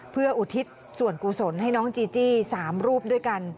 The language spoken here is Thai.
เพื่ออุทิศส่วนกุศลให้น้องจีจี้๓รูปด้วยกัน